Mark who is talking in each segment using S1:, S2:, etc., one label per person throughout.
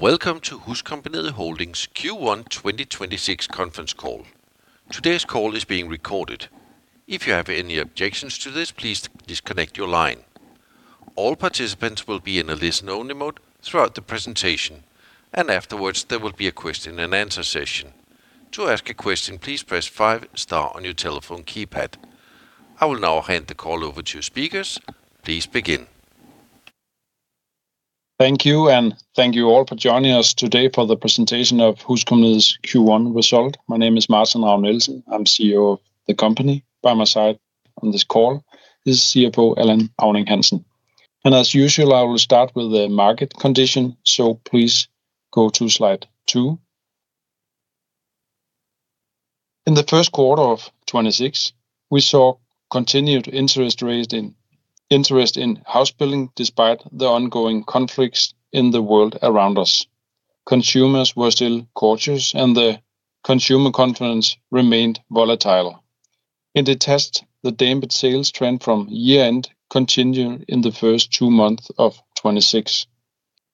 S1: Welcome to HusCompagniet Holding's Q1 2026 conference call. Today's call is being recorded. If you have any objections to this, please disconnect your line. All participants will be in a listen-only mode throughout the presentation. Afterwards, there will be a question and answer session. To ask a question, please press five star on your telephone keypad. I will now hand the call over to speakers. Please begin.
S2: Thank you. Thank you all for joining us today for the presentation of HusCompagniet's Q1 result. My name is Martin Ravn-Nielsen. I'm Chief Executive Officer of the company. By my side on this call is Chief Financial Officer Allan Auning-Hansen. As usual, I will start with the market condition, so please go to slide two. In the first quarter of 2026, we saw continued interest in house building despite the ongoing conflicts in the world around us. Consumers were still cautious, and the consumer confidence remained volatile. In Detached, the dampened sales trend from year-end continued in the first two months of 2026.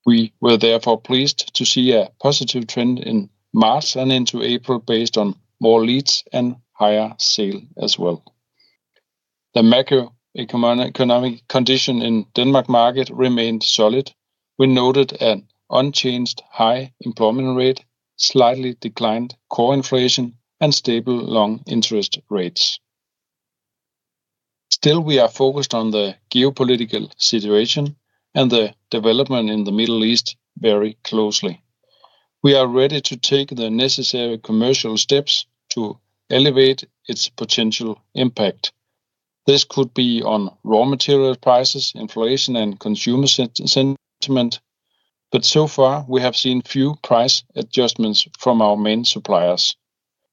S2: We were therefore pleased to see a positive trend in March and into April based on more leads and higher sale as well. The macroeconomic condition in Denmark market remained solid. We noted an unchanged high employment rate, slightly declined core inflation, and stable long interest rates. We are focused on the geopolitical situation and the development in the Middle East very closely. We are ready to take the necessary commercial steps to elevate its potential impact. This could be on raw material prices, inflation, and consumer sentiment, so far, we have seen few price adjustments from our main suppliers.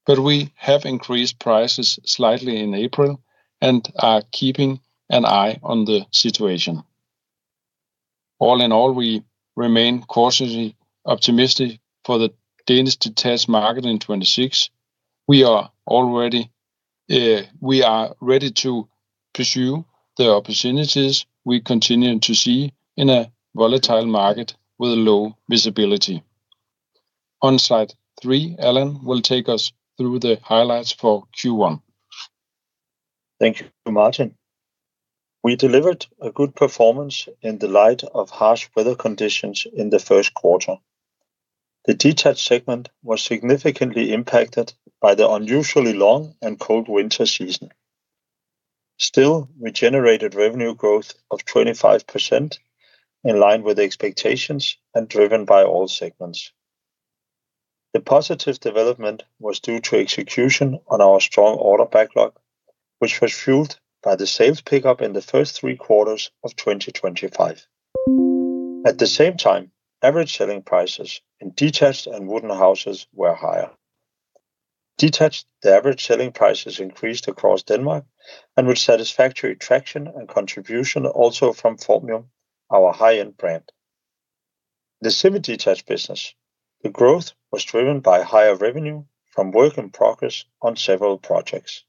S2: We have increased prices slightly in April and are keeping an eye on the situation. All in all, we remain cautiously optimistic for the Danish detached market in 26. We are ready to pursue the opportunities we continue to see in a volatile market with low visibility. On slide three, Allan will take us through the highlights for Q1.
S3: Thank you, Martin. We delivered a good performance in the light of harsh weather conditions in the first quarter. The detached segment was significantly impacted by the unusually long and cold winter season. We generated revenue growth of 25%, in line with expectations and driven by all segments. The positive development was due to execution on our strong order backlog, which was fueled by the sales pickup in the first three quarters of 2025. At the same time, average selling prices in Detached and Wooden houses were higher. Detached, the average selling prices increased across Denmark and with satisfactory traction and contribution also from FORMIUM, our high-end brand. The semi-detached business, the growth was driven by higher revenue from work in progress on several projects.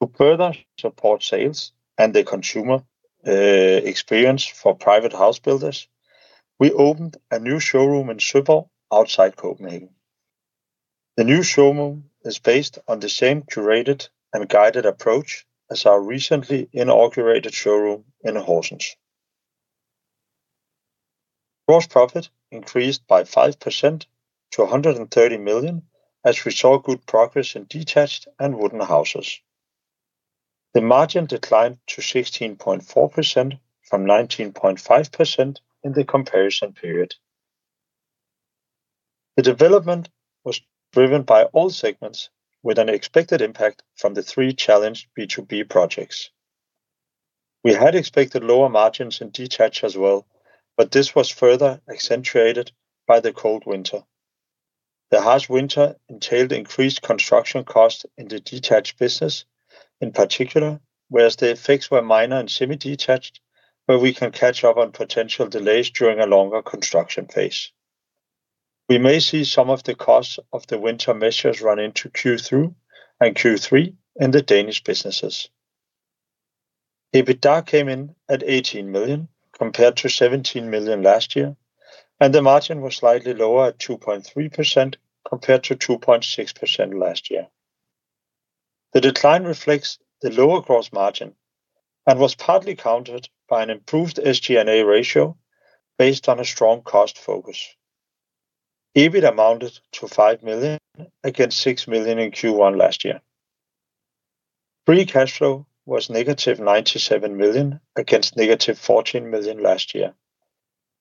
S3: To further support sales and the consumer experience for private house builders, we opened a new showroom in Søborg outside Copenhagen. The new showroom is based on the same curated and guided approach as our recently inaugurated showroom in Horsens. Gross profit increased by 5% to 130 million, as we saw good progress in Detached and Wooden houses. The margin declined to 16.4% from 19.5% in the comparison period. The development was driven by all segments with an expected impact from the three challenged B2B projects. We had expected lower margins in detached as well, but this was further accentuated by the cold winter. The harsh winter entailed increased construction costs in the detached business, in particular, whereas the effects were minor in semi-detached, where we can catch up on potential delays during a longer construction phase. We may see some of the costs of the winter measures run into Q2 and Q3 in the Danish businesses. EBITDA came in at 18 million, compared to 17 million last year. The margin was slightly lower at 2.3%, compared to 2.6% last year. The decline reflects the lower gross margin and was partly countered by an improved SG&A ratio based on a strong cost focus. EBIT amounted to 5 million against 6 million in Q1 last year. Free cash flow was -97 million against -14 million last year.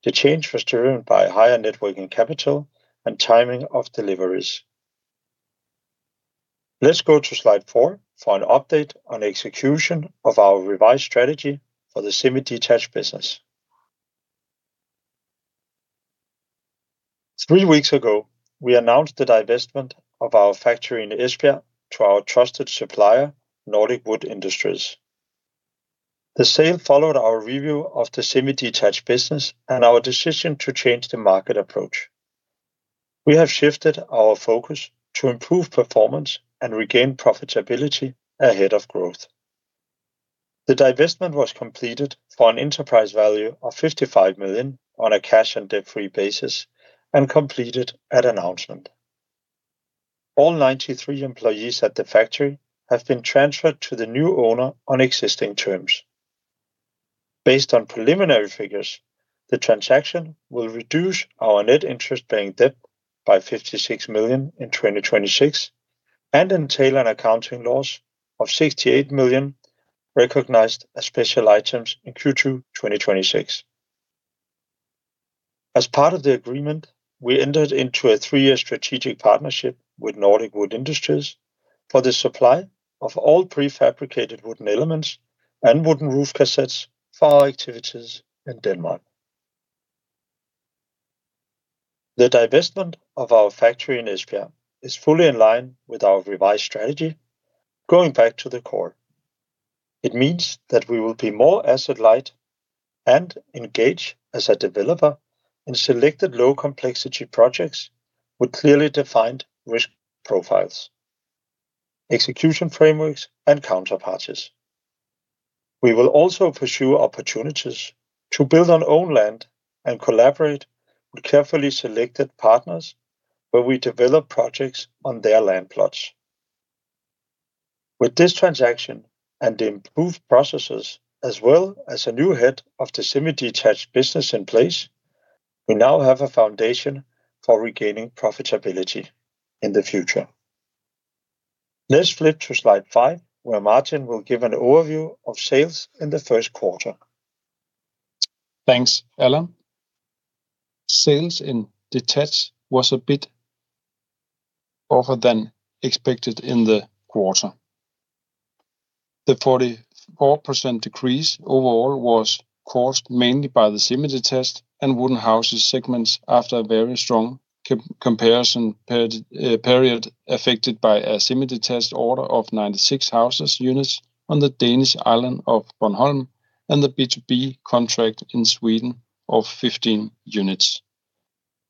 S3: The change was driven by higher net working capital and timing of deliveries. Let's go to slide four for an update on execution of our revised strategy for the semi-detached business. Three weeks ago, we announced the divestment of our factory in Esbjerg to our trusted supplier, Nordic Wood Industries. The sale followed our review of the semi-detached business and our decision to change the market approach. We have shifted our focus to improve performance and regain profitability ahead of growth. The divestment was completed for an enterprise value of 55 million on a cash-and-debt-free basis, and completed at announcement. All 93 employees at the factory have been transferred to the new owner on existing terms. Based on preliminary figures, the transaction will reduce our net interest-bearing debt by 56 million in 2026 and entail an accounting loss of 68 million, recognized as special items in Q2 2026. As part of the agreement, we entered into a three-year strategic partnership with Nordic Wood Industries for the supply of all prefabricated wooden elements and wooden roof cassettes for our activities in Denmark. The divestment of our factory in Esbjerg is fully in line with our revised strategy, going back to the core. It means that we will be more asset light and engage as a developer in selected low-complexity projects with clearly defined risk profiles, execution frameworks, and counterparties. We will also pursue opportunities to build on owned land and collaborate with carefully selected partners where we develop projects on their land plots. With this transaction and improved processes, as well as a new head of the semi-detached business in place, we now have a foundation for regaining profitability in the future. Let's flip to slide five, where Martin will give an overview of sales in the first quarter.
S2: Thanks, Allan. Sales in detached was a bit lower than expected in the quarter. The 44% decrease overall was caused mainly by the Semi-detached and Wooden houses segments after a very strong comparison period affected by a semi-detached order of 96 houses units on the Danish island of Bornholm and the B2B contract in Sweden of 15 units.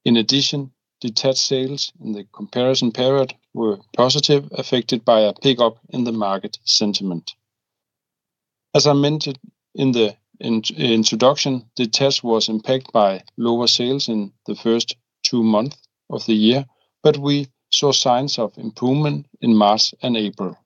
S2: In addition, detached sales in the comparison period were positive, affected by a pickup in the market sentiment. As I mentioned in the introduction, detached was impacted by lower sales in the first two months of the year, but we saw signs of improvement in March and April.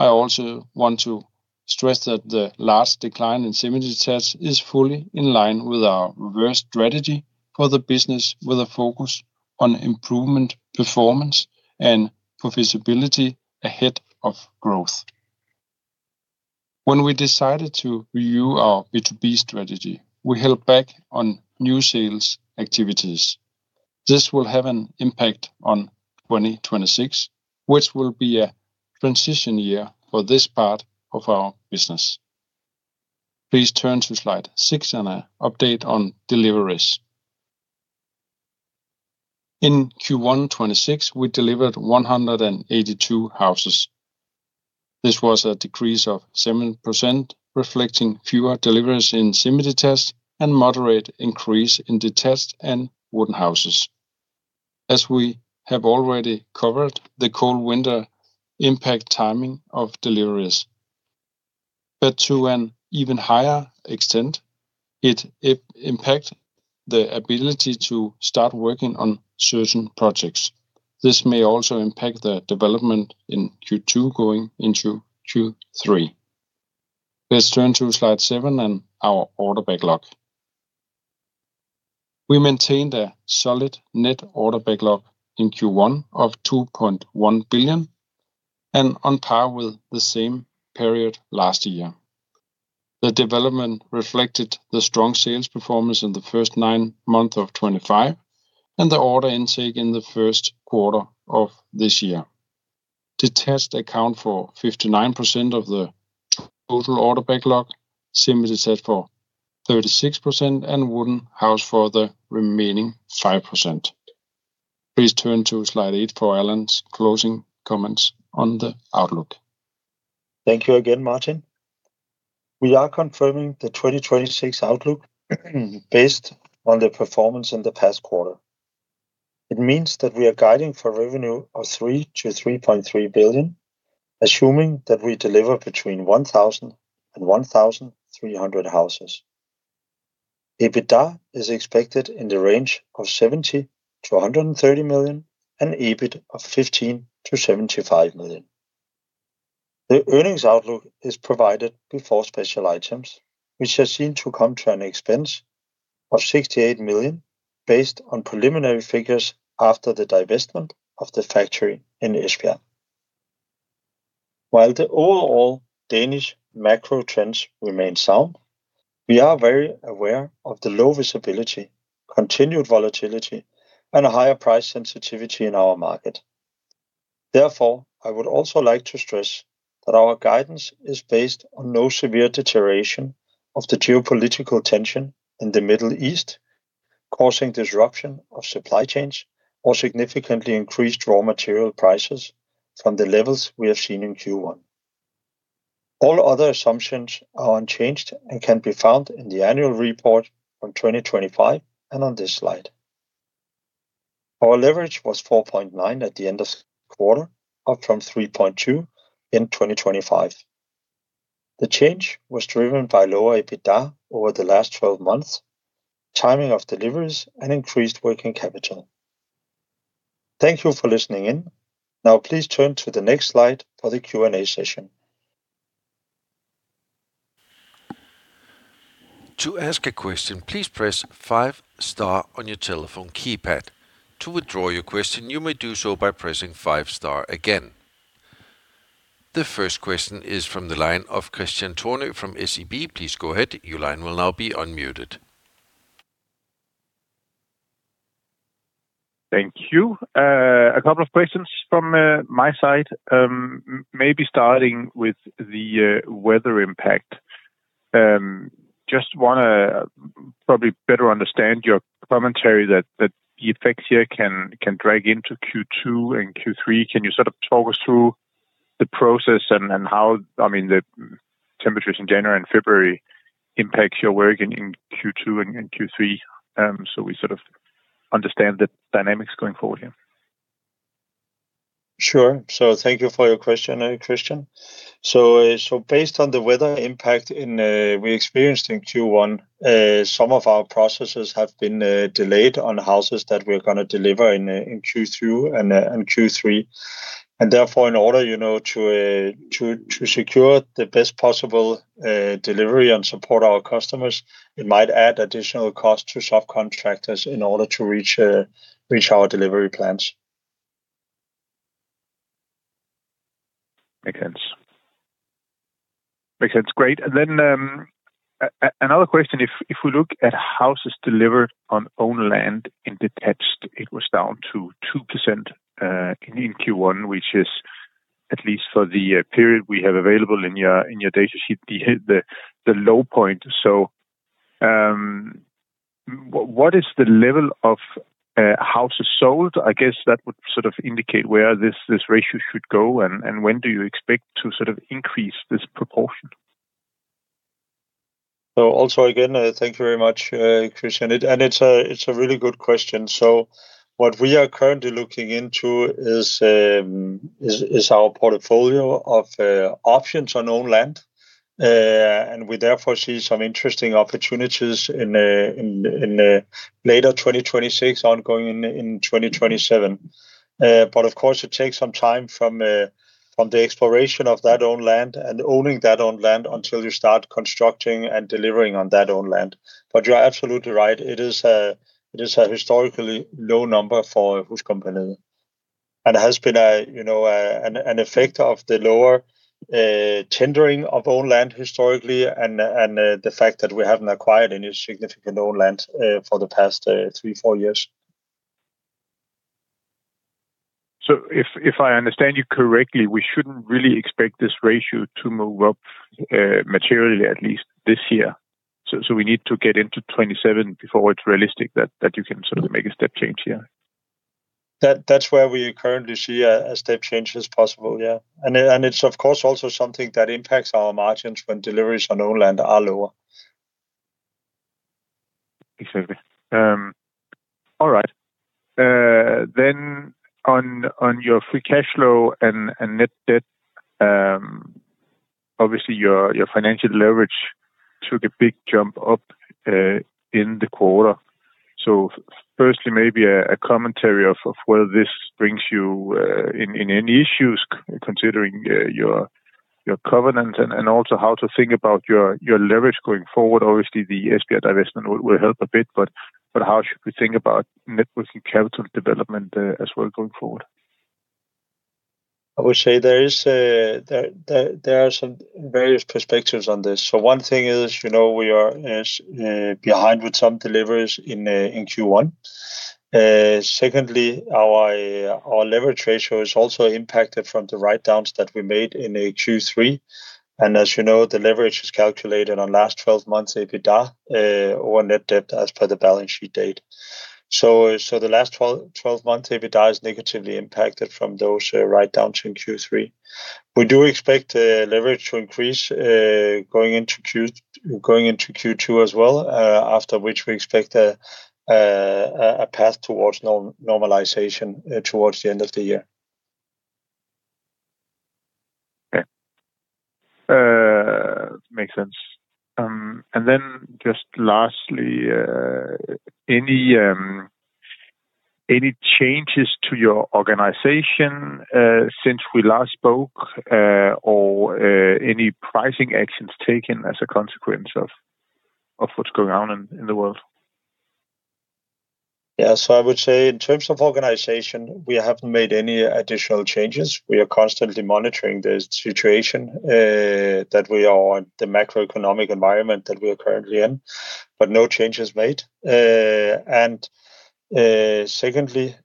S2: I also want to stress that the last decline in semi-detached is fully in line with our revised strategy for the business, with a focus on improvement, performance, and profitability ahead of growth. When we decided to review our B2B strategy, we held back on new sales activities. This will have an impact on 2026, which will be a transition year for this part of our business. Please turn to slide six and an update on deliveries. In Q1 2026, we delivered 182 houses. This was a decrease of 7%, reflecting fewer deliveries in semi-detached and moderate increase in Detached and Wooden houses. We have already covered, the cold winter impact timing of deliveries. To an even higher extent, it impact the ability to start working on certain projects. This may also impact the development in Q2 going into Q3. Let's turn to slide seven and our order backlog. We maintained a solid net order backlog in Q1 of 2.1 billion and on par with the same period last year. The development reflected the strong sales performance in the first nine months of 2025 and the order intake in the first quarter of this year. Detached account for 59% of the total order backlog, Semi-detached for 36%, and Wooden house for the remaining 5%. Please turn to slide eight for Allan's closing comments on the outlook.
S3: Thank you again, Martin. We are confirming the 2026 outlook based on the performance in the past quarter. It means that we are guiding for revenue of 3 billion-3.3 billion, assuming that we deliver between 1,000 and 1,300 houses. EBITDA is expected in the range of 70 million-130 million, and EBIT of 15 million-75 million. The earnings outlook is provided before special items, which are seen to come to an expense of 68 million based on preliminary figures after the divestment of the factory in Esbjerg. While the overall Danish macro trends remain sound, we are very aware of the low visibility, continued volatility, and a higher price sensitivity in our market. Therefore, I would also like to stress that our guidance is based on no severe deterioration of the geopolitical tension in the Middle East, causing disruption of supply chains or significantly increased raw material prices from the levels we have seen in Q1. All other assumptions are unchanged and can be found in the annual report from 2025 and on this slide. Our leverage was 4.9 at the end of quarter, up from 3.2 in 2025. The change was driven by lower EBITDA over the last 12 months, timing of deliveries, and increased working capital. Thank you for listening in. Now please turn to the next slide for the Q&A session.
S1: The first question is from the line of Kristian Tornøe from SEB.
S4: Thank you. A couple of questions from my side. Maybe starting with the weather impact. Just wanna probably better understand your commentary that the effects here can drag into Q2 and Q3. Can you sort of talk us through the process and how, I mean, the temperatures in January and February impacts your work in Q2 and Q3, so we sort of understand the dynamics going forward here?
S3: Sure. Thank you for your question, Kristian. Based on the weather impact in, we experienced in Q1, some of our processes have been delayed on houses that we're gonna deliver in Q2 and Q3. Therefore, in order, you know, to secure the best possible delivery and support our customers, it might add additional cost to subcontractors in order to reach our delivery plans.
S4: Makes sense. Makes sense. Great. Another question. If we look at houses delivered on owned land in detached, it was down to 2% in Q1, which is, at least for the period we have available in your data sheet, the low point. What is the level of houses sold? I guess that would sort of indicate where this ratio should go and when do you expect to sort of increase this proportion?
S3: Also again, thank you very much, Kristian. And it's a really good question. What we are currently looking into is our portfolio of options on owned land. And we therefore see some interesting opportunities in later 2026 ongoing in 2027. But of course it takes some time from the exploration of that owned land and owning that owned land until you start constructing and delivering on that owned land. You are absolutely right, it is a historically low number for HusCompagniet, and has been, you know, an effect of the lower tendering of owned land historically and the fact that we haven't acquired any significant owned land for the past three, four years.
S4: If I understand you correctly, we shouldn't really expect this ratio to move up materially, at least this year. We need to get into 2027 before it's realistic that you can sort of make a step change here.
S3: That's where we currently see a step change as possible, yeah. It's of course also something that impacts our margins when deliveries on owned land are lower.
S4: Exactly. All right. Then on your free cash flow and net debt, obviously your financial leverage took a big jump up in the quarter. Firstly, maybe a commentary of whether this brings you in any issues considering your covenant and also how to think about your leverage going forward. Obviously, the Esbjerg divestment will help a bit, but how should we think about net working capital development as well going forward?
S3: I would say there is, there are some various perspectives on this. One thing is, you know, we are behind with some deliveries in Q1. Secondly, our leverage ratio is also impacted from the write-downs that we made in Q3. As you know, the leverage is calculated on last twelve months EBITDA, or net debt as per the balance sheet date. The last twelve months EBITDA is negatively impacted from those write-downs in Q3. We do expect leverage to increase going into Q2 as well, after which we expect a path towards normalization towards the end of the year.
S4: Okay. Makes sense. Just lastly, any changes to your organization since we last spoke, or any pricing actions taken as a consequence of what's going on in the world?
S3: Yeah. I would say in terms of organization, we haven't made any additional changes. We are constantly monitoring the situation, the macroeconomic environment that we are currently in, but no changes made. Secondly,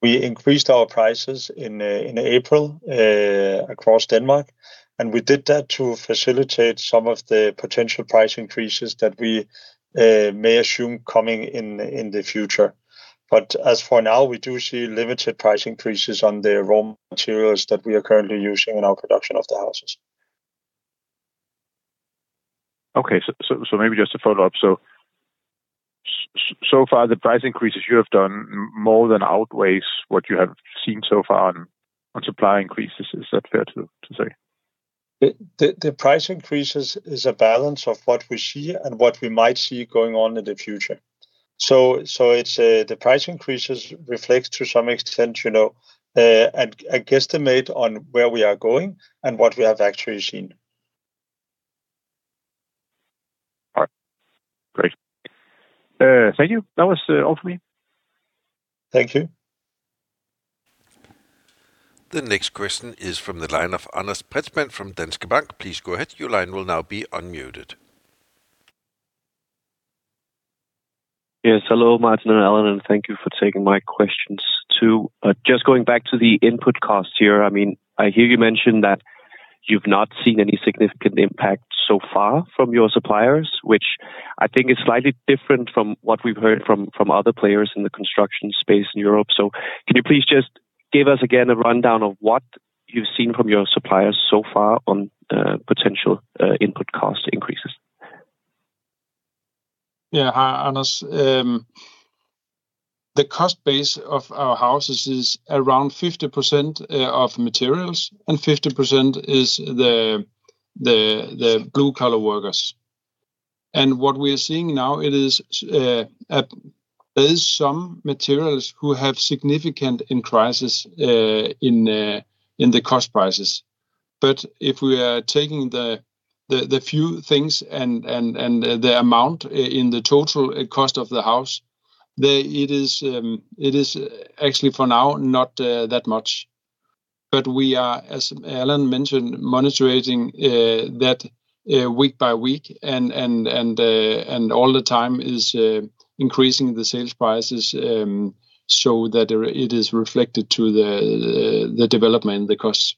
S3: we increased our prices in April across Denmark, and we did that to facilitate some of the potential price increases that we may assume coming in the future. As for now, we do see limited price increases on the raw materials that we are currently using in our production of the houses.
S4: Okay. Maybe just a follow-up. Far the price increases you have done more than outweighs what you have seen so far on supply increases. Is that fair to say?
S2: The price increases is a balance of what we see and what we might see going on in the future. It's the price increases reflects to some extent, you know, a guesstimate on where we are going and what we have actually seen.
S4: All right. Great. Thank you. That was all for me.
S2: Thank you.
S1: The next question is from the line of Anders Preetzmann from Danske Bank. Please go ahead, your line will now be unmuted.
S5: Yes. Hello, Martin and Allan, and thank you for taking my questions too. Just going back to the input costs here. I mean, I hear you mention that you've not seen any significant impact so far from your suppliers, which I think is slightly different from what we've heard from other players in the construction space in Europe. Can you please just give us again a rundown of what you've seen from your suppliers so far on potential input cost increases?
S2: Yeah. Hi, Anders. The cost base of our houses is around 50% of materials and 50% is the blue collar workers. What we are seeing now it is, there is some materials who have significant increases in the cost prices. If we are taking the few things and the amount in the total cost of the house, it is actually for now not that much. We are, as Allan mentioned, monetizing that week by week and all the time is increasing the sales prices so that it is reflected to the development, the costs.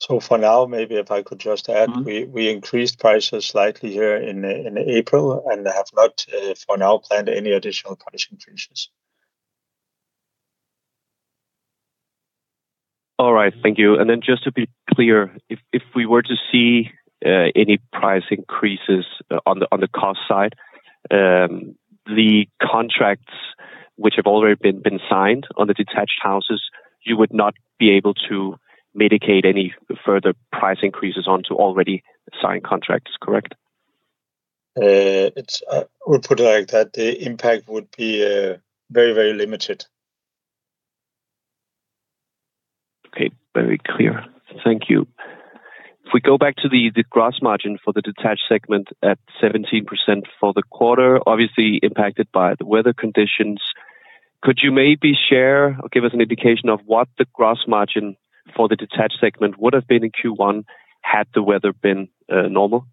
S3: So for now, maybe if I could just add-
S5: Mm-hmm...
S3: we increased prices slightly here in April and have not, for now planned any additional price increases.
S5: All right. Thank you. Just to be clear, if we were to see any price increases on the cost side, the contracts which have already been signed on the detached houses, you would not be able to mitigate any further price increases onto already signed contracts, correct?
S2: It's, we'll put it like that. The impact would be very, very limited.
S5: Okay. Very clear. Thank you. If we go back to the gross margin for the detached segment at 17% for the quarter, obviously impacted by the weather conditions, could you maybe share or give us an indication of what the gross margin for the detached segment would have been in Q1 had the weather been normal?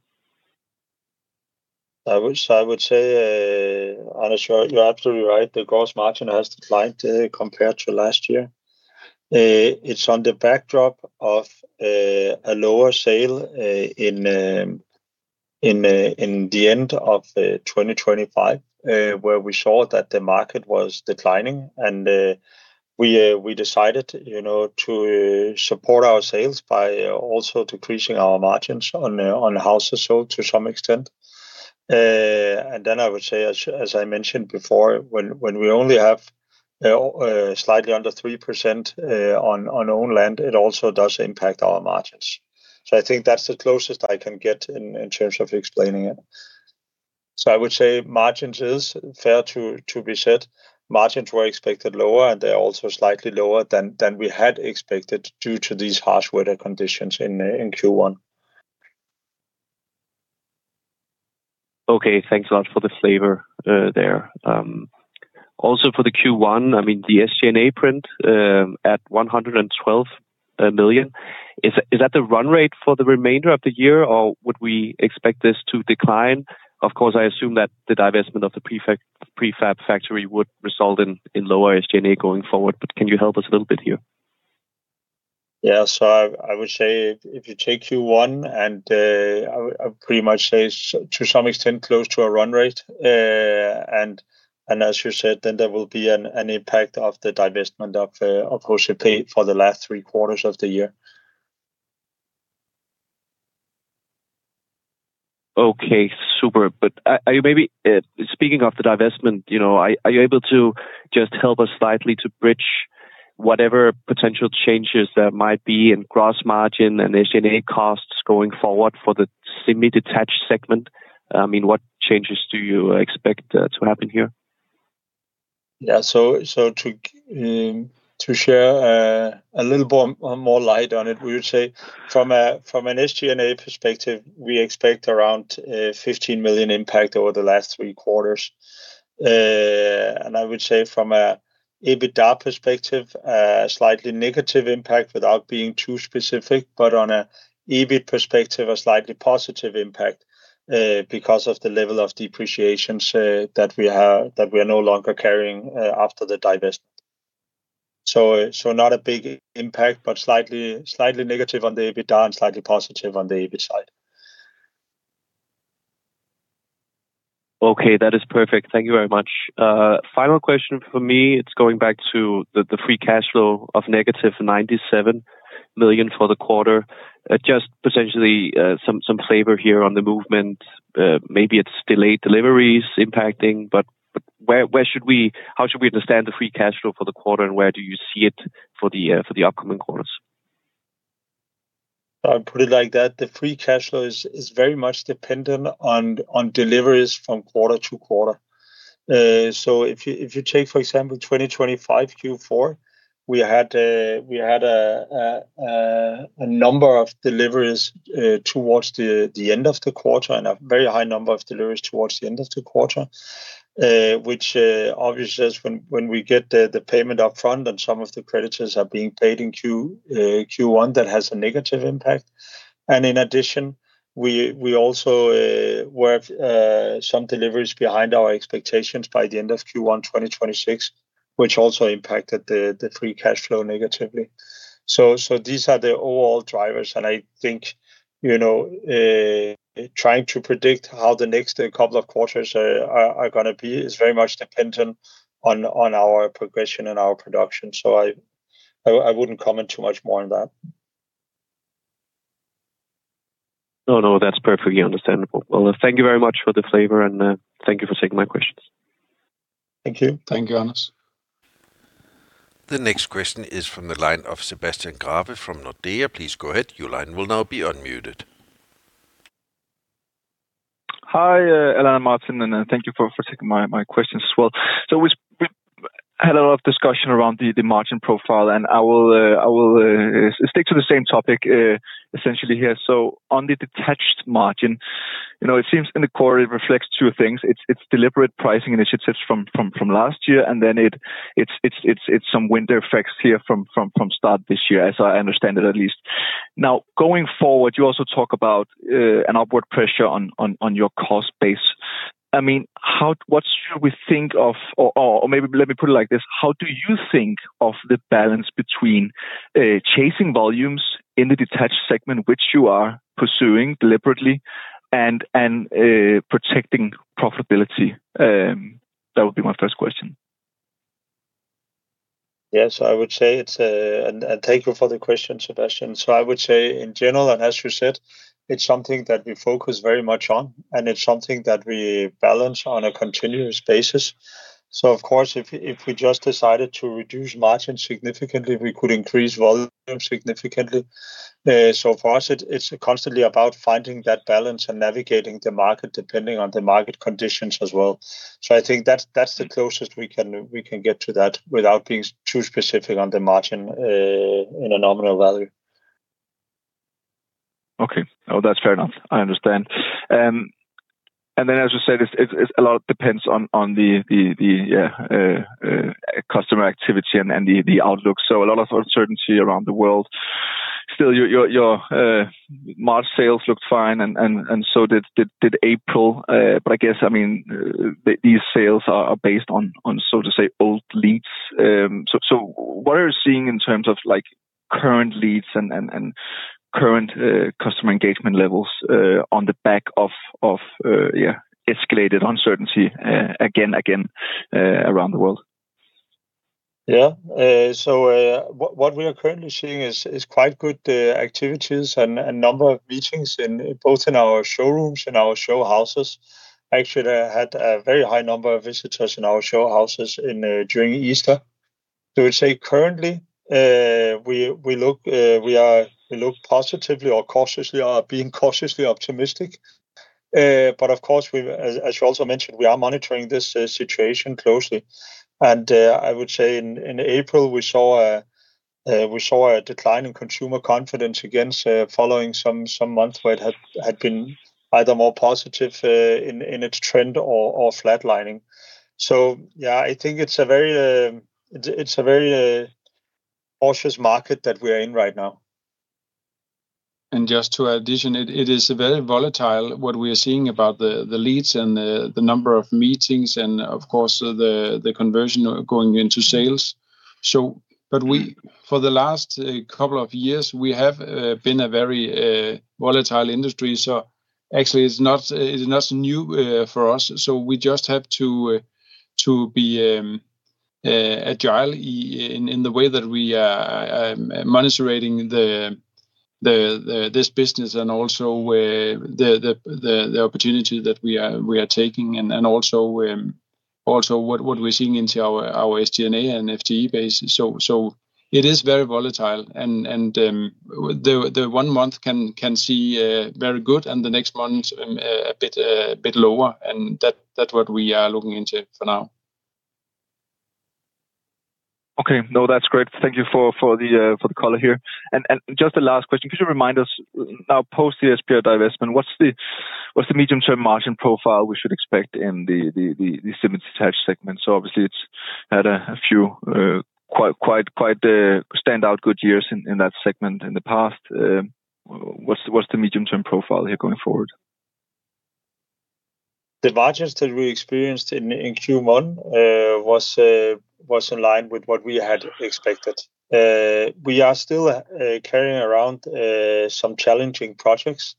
S3: I would say, Anders Preetzmann, you're absolutely right. The gross margin has declined compared to last year. It's on the backdrop of a lower sale in the end of 2025, where we saw that the market was declining and we decided, you know, to support our sales by also decreasing our margins on houses sold to some extent. Then I would say as I mentioned before, when we only have slightly under 3% on owned land, it also does impact our margins. I think that's the closest I can get in terms of explaining it. I would say margins is fair to be said. Margins were expected lower, and they're also slightly lower than we had expected due to these harsh weather conditions in Q1.
S5: Okay. Thanks a lot for the flavor there. Also for the Q1, I mean, the SG&A print at 112 million, is that the run rate for the remainder of the year, or would we expect this to decline? Of course, I assume that the divestment of the prefab factory would result in lower SG&A going forward, but can you help us a little bit here?
S3: Yeah. I would say if you take Q1 and I would pretty much say to some extent close to a run rate. And as you said, there will be an impact of the divestment of [the approaching team] for the last three quarters of the year.
S5: Okay. Super. Are you maybe, speaking of the divestment, you know, are you able to just help us slightly to bridge whatever potential changes there might be in gross margin and SG&A costs going forward for the semi-detached segment? I mean, what changes do you expect to happen here?
S3: Yeah. So to share a little more light on it, we would say from an SG&A perspective, we expect around 15 million impact over the last three quarters. I would say from an EBITDA perspective, slightly negative impact without being too specific, but on an EBIT perspective, a slightly positive impact because of the level of depreciations that we are no longer carrying after the divestment. Not a big impact, but slightly negative on the EBITDA and slightly positive on the EBIT side.
S5: Okay, that is perfect. Thank you very much. Final question from me, it's going back to the free cashflow of -97 million for the quarter. Just potentially, some flavor here on the movement. Maybe it's delayed deliveries impacting, but how should we understand the free cashflow for the quarter, and where do you see it for the upcoming quarters?
S3: I'll put it like that. The free cashflow is very much dependent on deliveries from quarter to quarter. If you take, for example, 2025 Q4, we had a number of deliveries towards the end of the quarter and a very high number of deliveries towards the end of the quarter. Which obviously is when we get the payment upfront and some of the creditors are being paid in Q1, that has a negative impact. In addition, we also were some deliveries behind our expectations by the end of Q1 2026, which also impacted the free cashflow negatively. These are the overall drivers, and I think, you know, trying to predict how the next couple of quarters are gonna be is very much dependent on our progression and our production. I wouldn't comment too much more on that.
S5: No, no, that's perfectly understandable. Thank you very much for the flavor and thank you for taking my questions.
S3: Thank you.
S2: Thank you, Anders.
S1: The next question is from the line of Sebastian Grave from Nordea. Please go ahead.
S6: Hi, Allan and Martin, and thank you for taking my questions as well. We've had a lot of discussion around the margin profile and I will stick to the same topic essentially here. On the detached margin, you know, it seems in the quarter it reflects two things. It's deliberate pricing initiatives from last year, and then it's some winter effects here from start this year, as I understand it at least. Going forward, you also talk about an upward pressure on your cost base. I mean, what should we think of or maybe let me put it like this. How do you think of the balance between chasing volumes in the detached segment, which you are pursuing deliberately and protecting profitability? That would be my first question.
S3: Yes, I would say it's. Thank you for the question, Sebastian. I would say in general, and as you said, it's something that we focus very much on, and it's something that we balance on a continuous basis. Of course, if we just decided to reduce margin significantly, we could increase volume significantly. For us, it's constantly about finding that balance and navigating the market depending on the market conditions as well. I think that's the closest we can get to that without being too specific on the margin in a nominal value.
S6: Okay. No, that's fair enough. I understand. Then as you say, this, it a lot depends on the customer activity and the outlook. A lot of uncertainty around the world. Still, your March sales looked fine, and so did April. I guess, I mean, these sales are based on so to say old leads. What are you seeing in terms of like current leads and current customer engagement levels on the back of escalated uncertainty again around the world?
S3: Yeah. What we are currently seeing is quite good activities and a number of meetings in, both in our showrooms and our show houses. Actually, they had a very high number of visitors in our show houses during Easter. We say currently, we look positively or cautiously or being cautiously optimistic. Of course, as you also mentioned, we are monitoring this situation closely. I would say in April, we saw a decline in consumer confidence against following some months where it had been either more positive in its trend or flatlining. Yeah, I think it's a very cautious market that we are in right now.
S2: Just to addition, it is very volatile what we are seeing about the leads and the number of meetings and of course the conversion going into sales. For the last couple of years, we have been a very volatile industry. Actually it's not, it's not new for us. We just have to be agile in the way that we are monitoring this business and also the opportunity that we are taking and also what we're seeing into our SG&A and FTE base. It is very volatile and the one month can see very good and the next month a bit a bit lower. That's what we are looking into for now.
S6: Okay. No, that's great. Thank you for the color here. Just a last question, could you remind us now post the Esbjerg divestment, what's the medium-term margin profile we should expect in the Semi-detached segment? Obviously, it's had a few quite standout good years in that segment in the past. What's the medium-term profile here going forward?
S3: The margins that we experienced in Q1 was in line with what we had expected. We are still carrying around some challenging projects.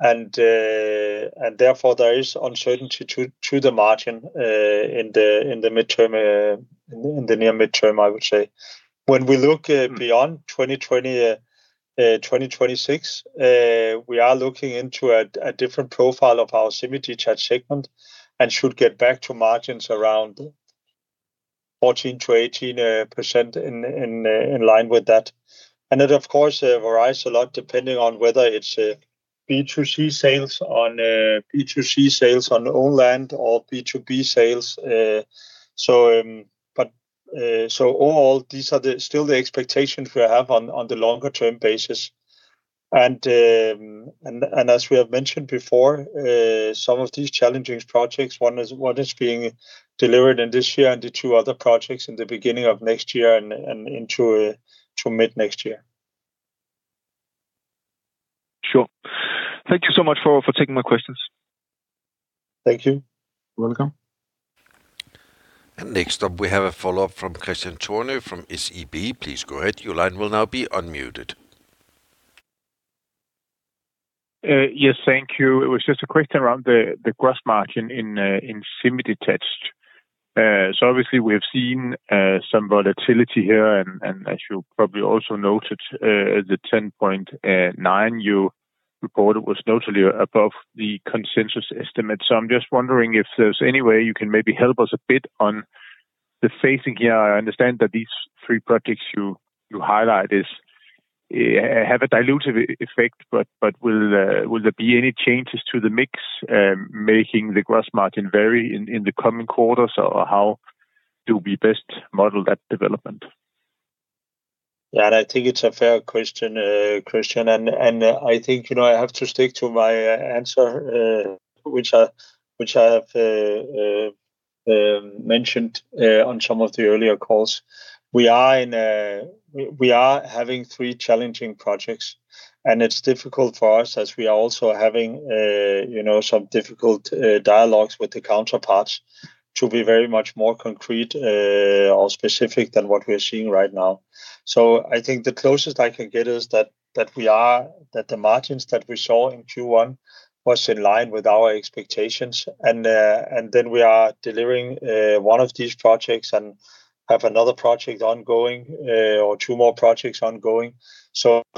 S3: Therefore, there is uncertainty to the margin in the midterm, in the near midterm, I would say. When we look.
S6: Mm-hmm....
S3: beyond 2020, 2026, we are looking into a different profile of our semi-detached segment, and should get back to margins around 14%-18% in line with that. That of course varies a lot depending on whether it's B2C sales on own land or B2B sales. All these are still the expectations we have on the longer term basis. As we have mentioned before, some of these challenging projects, one is being delivered in this year and the two other projects in the beginning of next year and into mid next year.
S6: Sure. Thank you so much for taking my questions.
S3: Thank you. You're welcome.
S1: Next up we have a follow-up from Kristian Tornøe from SEB.
S4: Yes, thank you. It was just a question around the gross margin in Semi-detached. Obviously we have seen some volatility here and, as you probably also noted, the 10.9% you reported was notably above the consensus estimate. I'm just wondering if there's any way you can maybe help us a bit on the phasing here. I understand that these three projects you highlight is have a dilutive effect, but will there be any changes to the mix, making the gross margin vary in the coming quarters? Or how do we best model that development?
S3: Yeah, I think it's a fair question, Kristian Tornøe. I think, you know, I have to stick to my answer, which I have mentioned on some of the earlier calls. We are in, we are having three challenging projects. It's difficult for us as we are also having, you know, some difficult dialogues with the counterparts to be very much more concrete or specific than what we are seeing right now. I think the closest I can get is that the margins that we saw in Q1 was in line with our expectations. Then we are delivering one of these projects and have another project ongoing or two more projects ongoing.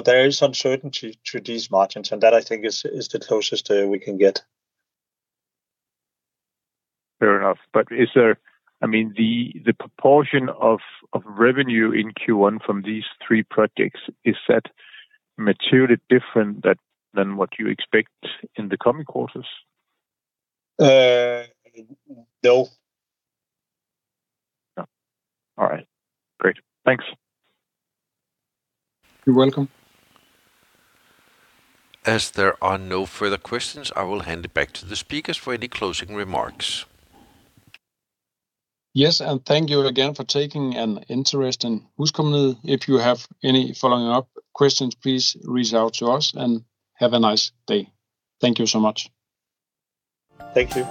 S3: There is uncertainty to these margins, and that I think is the closest we can get.
S4: Fair enough. I mean, the proportion of revenue in Q1 from these three projects, is that materially different than what you expect in the coming quarters?
S3: No.
S4: No. All right. Great. Thanks.
S3: You're welcome.
S1: As there are no further questions, I will hand it back to the speakers for any closing remarks.
S2: Yes, thank you again for taking an interest in HusCompagniet. If you have any following up questions, please reach out to us, and have a nice day. Thank you so much.
S1: Thank you.